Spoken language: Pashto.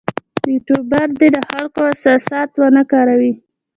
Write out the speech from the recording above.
یوټوبر دې د خلکو احساسات ونه کاروي.